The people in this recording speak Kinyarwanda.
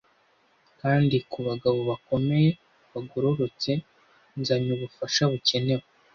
Kandi kubagabo bakomeye bagororotse nzanye ubufasha bukenewe.